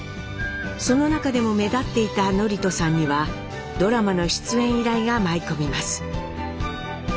その中でも目立っていた智人さんにはドラマの出演依頼が舞い込みます。